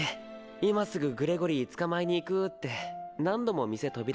今すぐグレゴリー捕まえに行くって何度も店飛び出そうとして。